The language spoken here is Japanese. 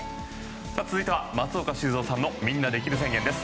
続いては松岡修造さんのみんなできる宣言です。